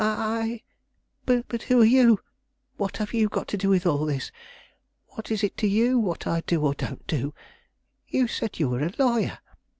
I I But who are you? What have you got to do with all this? What is it to you what I do or don't do? You said you were a lawyer.